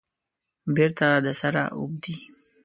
بیرته د سره اوبدي